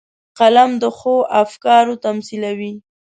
قلم د ښو افکارو تمثیلوي